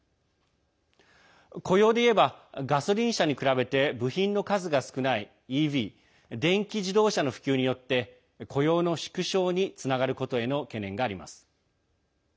雇用でいえばガソリン車に比べて部品の数が少ないＥＶ＝電気自動車の普及によって雇用の縮小につながることへの懸念があります。